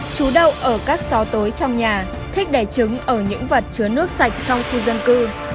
chú đậu ở các sáo tối trong nhà thích đẻ trứng ở những vật chứa nước sạch trong khu dân cư